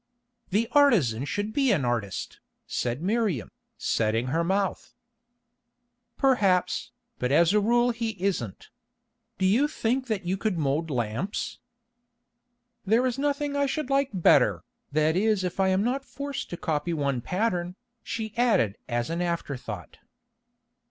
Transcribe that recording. "The artisan should be an artist," said Miriam, setting her mouth. "Perhaps, but as a rule he isn't. Do you think that you could mould lamps?" "There is nothing I should like better, that is if I am not forced to copy one pattern," she added as an afterthought.